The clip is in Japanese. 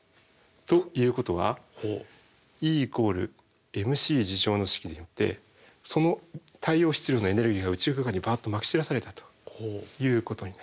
ということはＥ＝ｍｃの式によってその太陽質量のエネルギーが宇宙空間にバッとまき散らされたということになります。